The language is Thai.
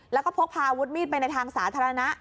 แล้วก็พกพาอาวุธมีดไปในทางสาธารณะ